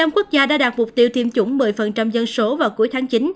một mươi năm quốc gia đã đạt mục tiêu tiêm chủng một mươi dân số vào cuối tháng chín